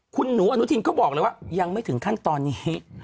คุณหนูอนุทินก็บอกเลยว่ายังไม่ถึงขั้นตอนนี้